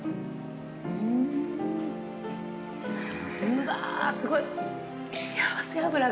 うわすごい。